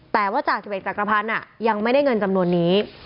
แต่ว่าจาก๑๑จักรพันธ์ยังไม่ได้เงินจำนวนนี้